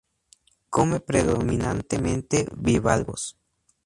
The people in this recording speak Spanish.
Come predominantemente bivalvos.